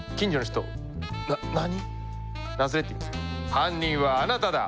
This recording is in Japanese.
「犯人はあなただ！」。